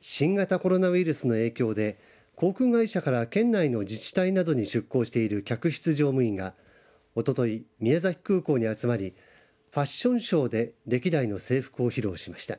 新型コロナウイルスの影響で航空会社から県内の自治体などに出向している客室乗務員がおととい宮崎空港に集まりファションショーで歴代の制服を披露しました。